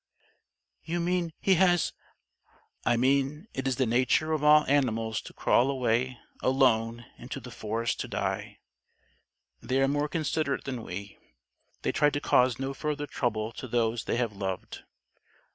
"You mean, he has ?" "I mean it is the nature of all animals to crawl away, alone, into the forest to die. They are more considerate than we. They try to cause no further trouble to those they have loved.